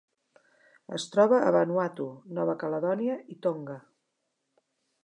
Es troba a Vanuatu, Nova Caledònia i Tonga.